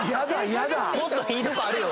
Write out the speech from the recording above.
⁉もっといいとこあるよ。